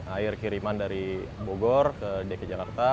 air kiriman dari bogor ke dki jakarta